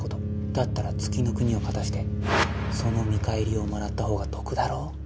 だったら月ノ国を勝たしてその見返りをもらった方が得だろ